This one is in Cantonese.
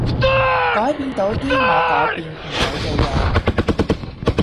改變到啲我改變唔到嘅嘢